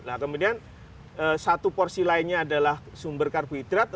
nah kemudian satu porsi lainnya adalah sumber karbohidrat